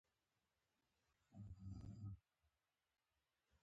بله پوښتنه د کمیسیون د رامنځته کیدو په اړه ده.